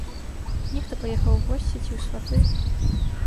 Нехта паехаў у госці ці ў сваты.